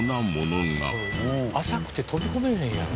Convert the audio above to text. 浅くて飛び込めへんやろ。